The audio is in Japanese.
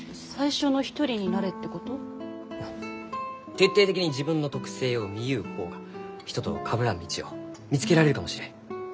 徹底的に自分の特性を見ゆう方が人とはかぶらん道を見つけられるかもしれん。